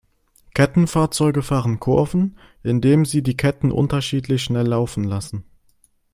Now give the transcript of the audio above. Kettenfahrzeuge fahren Kurven, indem sie die Ketten unterschiedlich schnell laufen lassen.